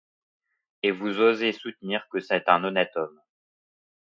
Et vous osez soutenir que c’est un honnête homme!